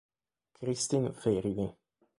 Kristin Fairlie